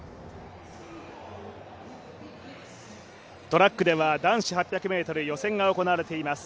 トラックでは男子８００ｍ予選が行われています。